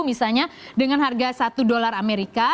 misalnya dengan harga satu dolar amerika